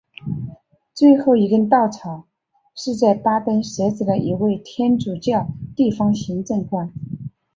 最后一根稻草则是在巴登设置了一位天主教地方行政官。